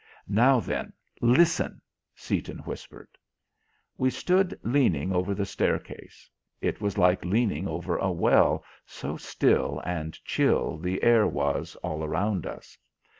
"Now then, listen!" Seaton whispered. We stood leaning over the staircase. It was like leaning over a well, so still and chill the air was all around us.